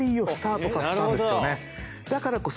だからこそ。